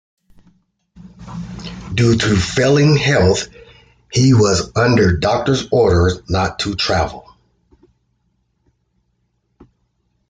Due to failing health, he was under doctor's orders not to travel.